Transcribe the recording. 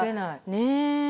ねえ。